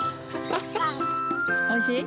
おいしい。